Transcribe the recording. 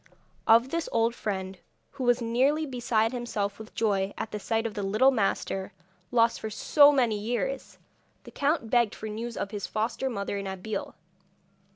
Of this old friend, who was nearly beside himself with joy at the sight of the little master, lost for so many years, the count begged for news of his foster mother and Abeille.